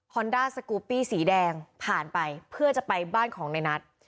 อนด้าสกูปปี้สีแดงผ่านไปเพื่อจะไปบ้านของในนัท